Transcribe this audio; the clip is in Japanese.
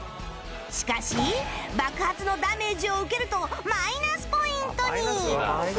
しかし爆発のダメージを受けるとマイナスポイントに